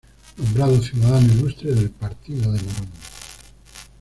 Nombrado ciudadano ilustre del Partido de Morón.